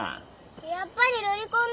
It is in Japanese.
やっぱりロリコンだ。